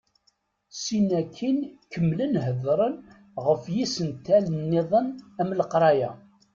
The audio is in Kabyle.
Sin akkin kemmlen hedren ɣef yisental-nniḍen am leqraya.